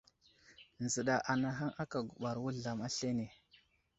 Nzəɗa anahaŋ aka gubar wuzlam aslane.